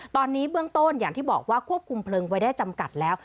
ตอนนี้เบื้องต้นอย่างที่บอกว่าควบคุมเพลิงไว้ได้จำกัดแล้ว